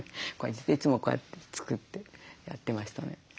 いつもこうやって作ってやってましたね。